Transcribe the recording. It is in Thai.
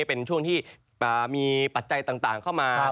เป็นช่วงที่มีปัจจัยต่างเข้ามา